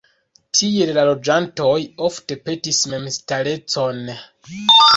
Tial la loĝantoj ofte petis memstarecon.